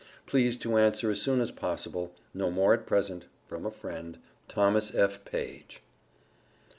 Please to answer as soon as possible. No more at present from a friend, THOMAS F. PAGE.